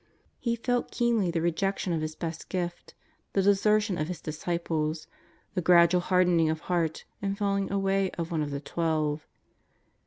He felt keenly the rejection of His best Gift, the desertion of His disciples, the gradual hardening of heart and falling away of one of the Twelve.